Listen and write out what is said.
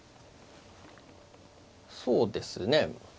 そうですね。